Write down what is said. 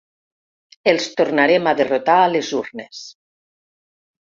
Els tornarem a derrotar a les urnes.